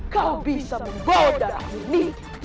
kau bisa membodah ini